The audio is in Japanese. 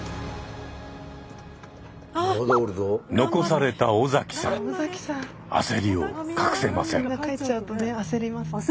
残された尾崎さん焦りを隠せません。